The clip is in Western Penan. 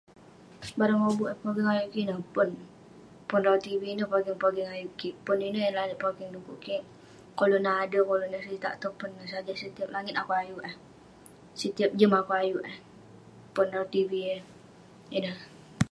Barang lobuk eh pogeng ayuk kik ineh, pon. Pon rawah tv, ineh pogeng-pogeng ayuk kik. Pon ineh eh lalek pogeng, dekuk kek koluk nat ader koluk nat seritak. Pon neh sajak setiap langit akouk ayuk eh. Setiap jem akouk ayuk eh, pon rawah tv ineh.